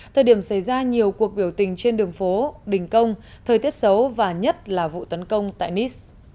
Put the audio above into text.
thời điểm xảy ra nhiều cuộc biểu tình trên đường phố đình công thời tiết xấu và nhất là vụ tấn công tại niss